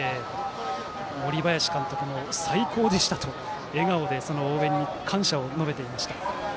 森林監督も、最高でしたと笑顔で応援に感謝を述べていました。